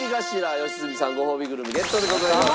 良純さんごほうびグルメゲットでございます。